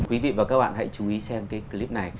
quý vị và các bạn hãy chú ý xem cái clip này